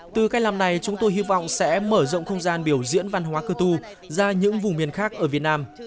từ cách làm này chúng tôi hy vọng sẽ mở rộng không gian biểu diễn văn hóa cơ tu ra những vùng miền khác ở việt nam